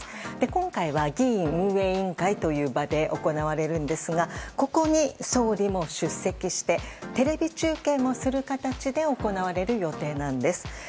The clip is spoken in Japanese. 今回は議院運営委員会という場で行われるんですがここに総理も出席してテレビ中継もする形で行われる予定なんです。